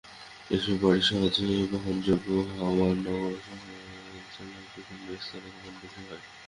এসব বড়ি সহজে বহনযোগ্য হওয়ায় নগরসহ জেলার বিভিন্ন স্থানে গোপনে বিক্রি হয়।